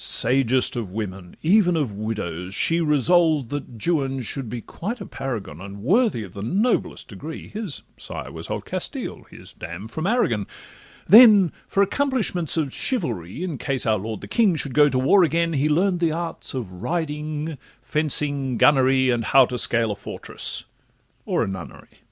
Sagest of women, even of widows, she Resolved that Juan should be quite a paragon, And worthy of the noblest pedigree (His sire was of Castile, his dam from Aragon): Then for accomplishments of chivalry, In case our lord the king should go to war again, He learn'd the arts of riding, fencing, gunnery, And how to scale a fortress—or a nunnery.